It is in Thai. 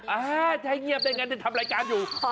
เอ้าใช่เงียบแต่อย่างนั้นจะทำรายการอยู่